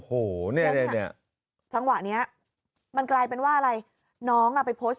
โอ้โหเนี่ยจังหวะนี้มันกลายเป็นว่าอะไรน้องอ่ะไปโพสต์